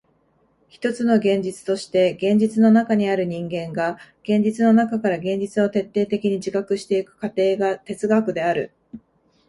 ひとつの現実として現実の中にある人間が現実の中から現実を徹底的に自覚してゆく過程が哲学である。